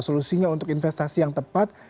solusinya untuk investasi yang tepat